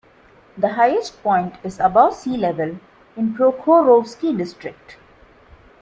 The highest point is above sea level, in Prokhorovsky District.